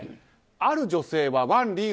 ある女性はワン・リー